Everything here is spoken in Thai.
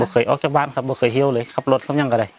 เคยออกจากบ้านครับไม่เคยเหี่ยวเลยขับรถเขายังก็ได้